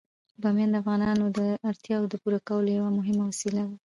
بامیان د افغانانو د اړتیاوو د پوره کولو یوه مهمه وسیله ده.